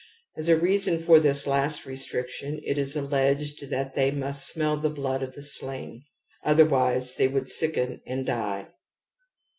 As a reason for thislast restriction it is alleged that they musf^lmiell the blood of the slain, otherwise they would sicken and die.